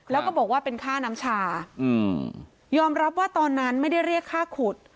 แล้วก็บอกว่าเป็นค่าน้ำชายอมรับว่าตอนนั้นไม่ได้เรียกค่าขุด